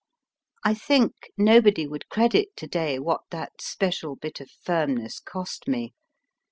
I think o nobody would credit to day what that special bit of firmness cost me.